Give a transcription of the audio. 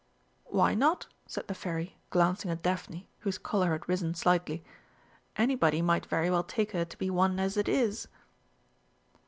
"Why not?" said the Fairy, glancing at Daphne, whose colour had risen slightly. "Anybody might very well take her to be one as it is."